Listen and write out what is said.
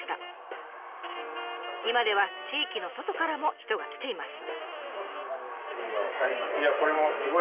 今では地域の外からも人が来ています。